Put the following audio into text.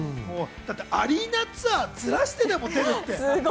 アリーナツアーずらしてでも出るって。